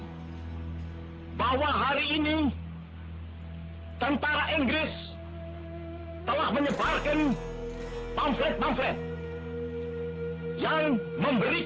tentara inggris telah menyebarkan pamfret pamfret